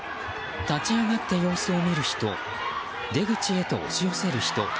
立ち上がって様子を見る人出口へと押し寄せる人。